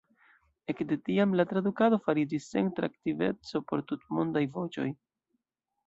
Ekde tiam tradukado fariĝis centra aktiveco por Tutmondaj Voĉoj.